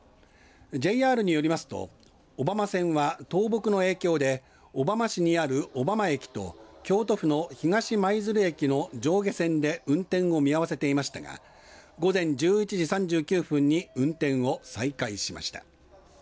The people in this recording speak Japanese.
ＪＲによりますと小浜線は倒木の影響で小浜市にある小浜駅と京都府の東舞鶴線の上下線で運転を見合わせていましたが午前１１時３０分に運転を再開しました。